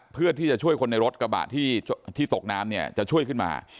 เพื่อที่จะช่วยคนในรถกระบะที่ตกน้ำเนี่ยจะช่วยขึ้นมา